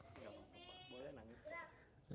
boleh nangis ya